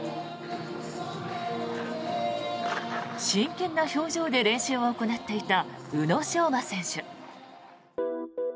真剣な表情で練習を行っていた宇野昌磨選手。